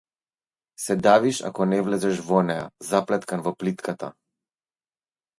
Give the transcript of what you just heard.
Се давиш ако не влезеш во неа, заплеткан во плитката.